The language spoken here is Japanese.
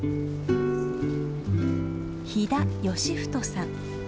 飛田義太さん。